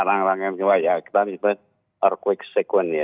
barang barang yang berubah ya kita nilai earthquake sequence ya